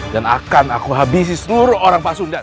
dan akan aku habisi seluruh orang pak sudan